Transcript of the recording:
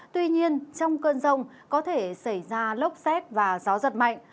tuy nhiên trong cơn rông có thể xảy ra lốc xét và gió giật mạnh